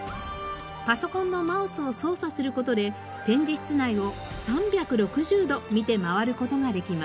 パソコンのマウスを操作する事で展示室内を３６０度見て回る事ができます。